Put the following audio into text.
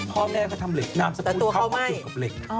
พ่อแม่เขาทำเหล็กนามสะพูดเข้ากับเหล็ก